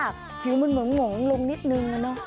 ผิวมันเหมือนหงลงนิดนึงนะเนอะ